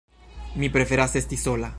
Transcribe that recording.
Mi preferas esti sola.